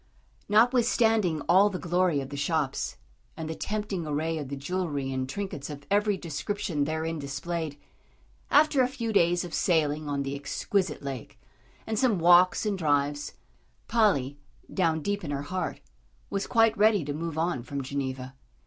Notwithstanding all the glory of the shops, and the tempting array of the jewellery and trinkets of every description therein displayed, after a few days of sailing on the exquisite lake, and some walks and drives, Polly, down deep in her heart, was quite ready to move on from Geneva.